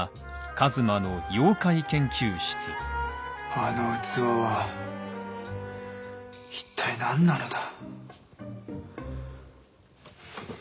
あの器は一体何なのだ？